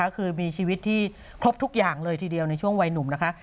คือมีชีวิตที่ครบทุกอย่างเลยทีเดียวในช่วงวัยหนุ่มนะคะ